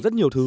rất nhiều thứ